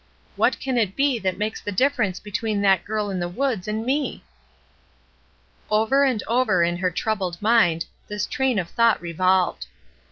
What can it be that makes the difference between that girl in the woods and me?" Over and over in her troubled mind this train of thought revolved.